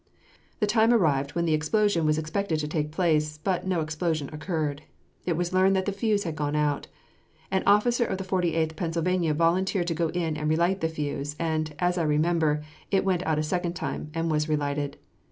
The time arrived when the explosion was expected to take place, but no explosion occurred. It was learned that the fuse had gone out. An officer of the Forty eighth Pennsylvania volunteered to go in and relight the fuse; and, as I remember, it went out a second time, and was relighted.